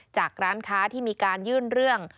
จากร้านค้าที่มีการยื่นเรื่อง